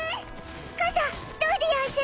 かさどうでやんす？